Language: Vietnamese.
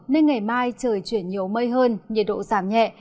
nên ngày mai trời chuyển nhiều mây hơn nhiệt độ giảm nhẹ